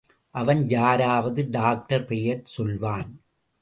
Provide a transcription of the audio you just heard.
அவன் யாராவது டாக்டர் பெயரைச் சொல்வான்.